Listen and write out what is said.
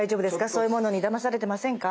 そういうものにだまされてませんか？